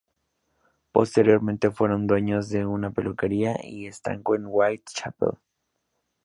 Posteriormente fueron dueños de una peluquería y estanco en Whitechapel.